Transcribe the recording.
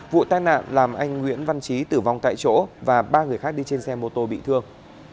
vụ tai nạn làm anh nguyễn văn trí tử vong tại chỗ và ba người khác đi trên xe mô tô bị thương